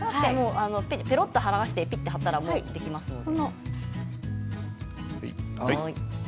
ぺろっと剥がしてぴっと貼ったらもうできますので。